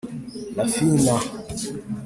Rafinha